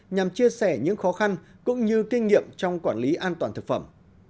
nhằm chia sẻ những khó khăn cũng như kinh nghiệm trong quản lý an toàn thực phẩm